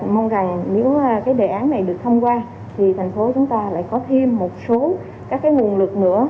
mong rằng nếu cái đề án này được thông qua thì thành phố chúng ta lại có thêm một số các cái nguồn lực nữa